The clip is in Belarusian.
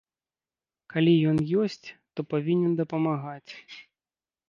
Калі ён ёсць, то павінен дапамагаць.